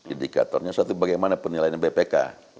indikatornya suatu bagaimana penilaian bpk